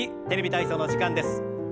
「テレビ体操」の時間です。